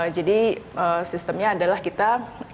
jadi sistemnya adalah kita